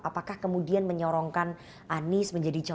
apakah kemudian menyorongkan anies menjadi cowok